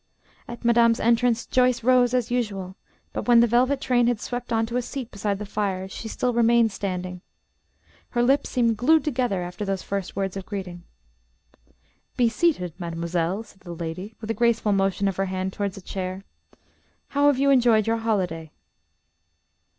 At madame's entrance Joyce rose as usual, but when the red velvet train had swept on to a seat beside the fire, she still remained standing. Her lips seemed glued together after those first words of greeting. "Be seated, mademoiselle," said the lady, with a graceful motion of her hand towards a chair. "How have you enjoyed your holiday?"